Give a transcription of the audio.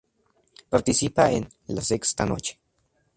Participa en "La Sexta Noche".